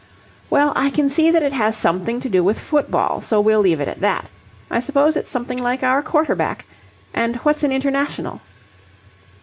"Well, I can see that it has something to do with football, so we'll leave it at that. I suppose it's something like our quarter back. And what's an international?"